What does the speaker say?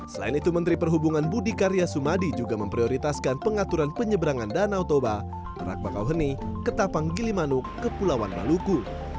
selain itu menteri perhubungan budi karya sumadi juga memprioritaskan pengaturan penyeberangan danau toba rak bakauheni ketapang gilimanuk kepulauan maluku